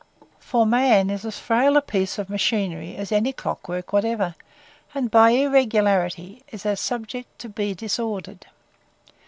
For man is as frail a piece of machinery as any clock work whatever; and, by irregularity, is as subject to be disordered.